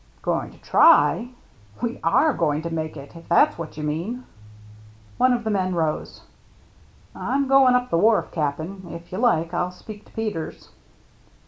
" Going to try ? We are going to make it, if that's what you mean." One of the men rose. " I'm going up the wharf, Cap'n. If you like, I'll speak to Peters."